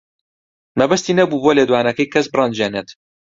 مەبەستی نەبوو بە لێدوانەکەی کەس بڕەنجێنێت.